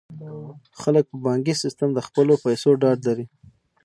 خلک په بانکي سیستم کې د خپلو پیسو ډاډ لري.